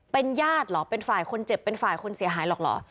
เป็นญาติเหรอเป็นฝ่ายคนเจ็บเป็นฝ่ายคนเสียหายหรอกเหรอ